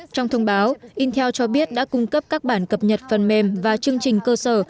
trong thông báo intel cho biết đã cung cấp các bản cập nhật phần mềm và chương trình cơ sở